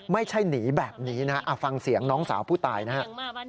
ไม่ใช่หนีแบบนี้นะฟังเสียงน้องสาวผู้ตายนะฮะ